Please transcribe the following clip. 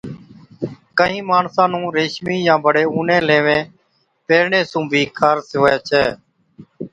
ڪهِين ماڻسا نُُون ريشمِي يان بڙي اُونِي ليوين پيهرڻي سُون بِي خارس هُوَي ڇَي۔